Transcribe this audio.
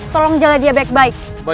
tolong jalan dia baik baik